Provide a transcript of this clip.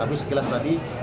tapi sekilas tadi